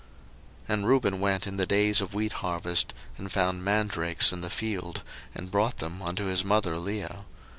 01:030:014 And Reuben went in the days of wheat harvest, and found mandrakes in the field, and brought them unto his mother Leah.